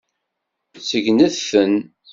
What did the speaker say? Segnet-tent.